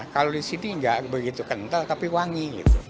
kalau di sini nggak begitu kental tapi wangi